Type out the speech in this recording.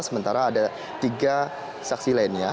sementara ada tiga saksi lainnya